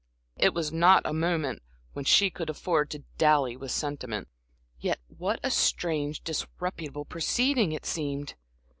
It was not a moment when she could afford to dally with sentiment. Yet what a strange, disreputable proceeding it seemed!